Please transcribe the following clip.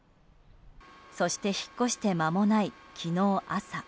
そして、引っ越して間もない昨日朝。